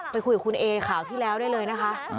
ไปคุยกับคุณเอข่าวที่แล้วได้เลยนะคะ